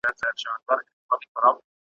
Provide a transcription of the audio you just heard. د کشپ غوندي به مځکي ته رالویږي `